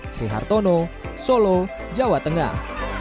sri hartono solo jawa tengah